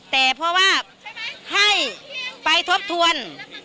แต่เพราะว่าให้ไปทบทวน